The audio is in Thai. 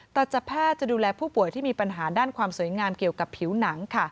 ตัชแพทย์จะดูแลผู้ป่วยที่มีปัญหาด้านความสวยงามเกี่ยวกับผิวหนัง